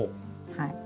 はい。